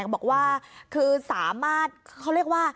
บอกว่าคือสามารถเขาเรียกว่า